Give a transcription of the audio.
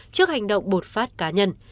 trước hành động bột phát cá nhân